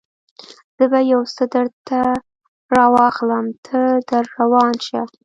زه به یو څه درته راواخلم، ته در روان شه.